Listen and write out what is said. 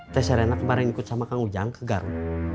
tes serena kemarin ikut sama kang ujang ke garo